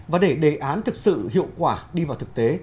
và để đề án thực sự hiệu quả đi vào thực tế